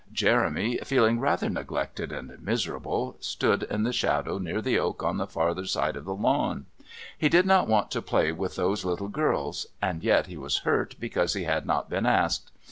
Jeremy, feeling rather neglected and miserable, stood in the shadow near the oak on the farther side of the lawn. He did not want to play with those little girls, and yet he was hurt because he had not been asked.